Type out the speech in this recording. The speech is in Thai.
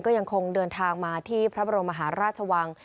ก็ยังคงเดินทางมาที่พระบรมมหาราชวัง